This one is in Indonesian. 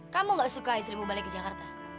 kamu gak suka istrimu balik ke jakarta